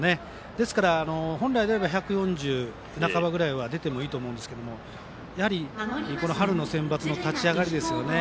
ですから、本来であれば１４０半ばぐらいは出てもいいと思いますがやはり、この春センバツの立ち上がりですよね。